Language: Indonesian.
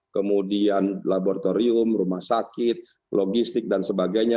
kemudian laboratorium rumah sakit logistik dan sebagainya